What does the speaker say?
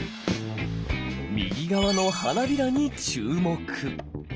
右側の花びらに注目。